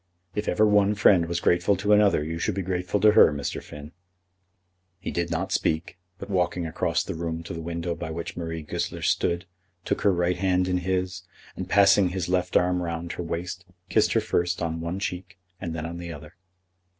"If ever one friend was grateful to another, you should be grateful to her, Mr. Finn." He did not speak, but walking across the room to the window by which Marie Goesler stood, took her right hand in his, and passing his left arm round her waist, kissed her first on one cheek and then on the other.